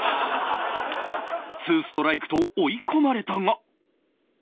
ツーストライクと追い込まれたが